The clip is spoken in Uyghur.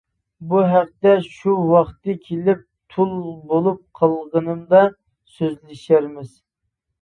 -بۇ ھەقتە، شۇ ۋاقتى كېلىپ تۇل بولۇپ قالغىنىمدا سۆزلىشەرمىز.